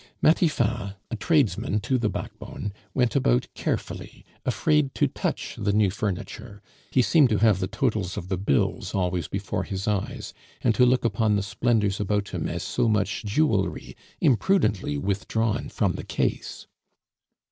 Matifat, a tradesman to the backbone, went about carefully, afraid to touch the new furniture; he seemed to have the totals of the bills always before his eyes, and to look upon the splendors about him as so much jewelry imprudently withdrawn from the case.